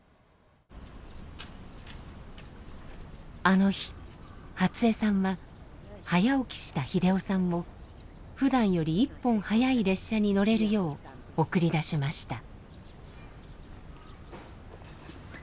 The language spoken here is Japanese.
あの日初恵さんは早起きした秀雄さんをふだんより１本早い列車に乗れるよう送り出しました。